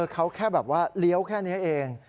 เขาแค่แบบว่าเลี้ยวแค่นี้เอง